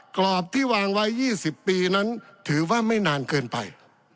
กรอบที่วางไว้๒๐ปีนั้นถือว่าไม่นานเกินไป